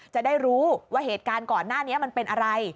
จะได้รู้ว่าเหตุการณ์ก่อนหน้านี้มันเป็นอะไร